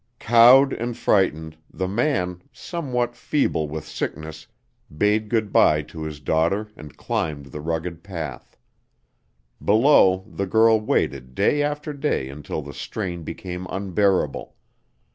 Cowed and frightened, the man, somewhat feeble with sickness, bade good bye to his daughter and climbed the rugged path. Below, the girl waited day after day until the strain became unbearable.